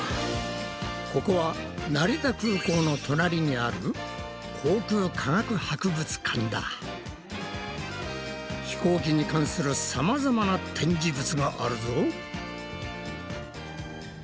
ここは成田空港の隣にある飛行機に関するさまざまな展示物があるぞ。